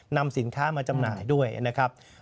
นำสินค้ามาจำหน่ายด้วยนะครับ